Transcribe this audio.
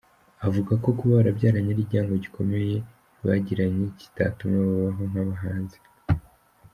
Avuga ko kuba barabyaranye ari igihango gikomeye bagiranye kitatuma babaho nk’abahanzi .